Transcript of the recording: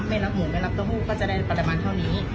ไม่รับหมูไม่รับเต้าหู้ก็จะได้ปริมาณเท่านี้